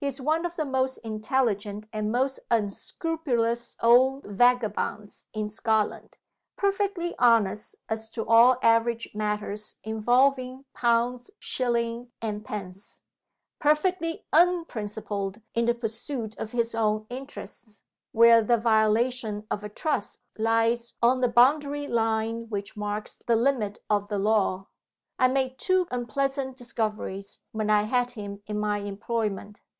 He is one of the most intelligent and most unscrupulous old vagabonds in Scotland; perfectly honest as to all average matters involving pounds, shillings, and pence; perfectly unprincipled in the pursuit of his own interests, where the violation of a trust lies on the boundary line which marks the limit of the law. I made two unpleasant discoveries when I had him in my employment.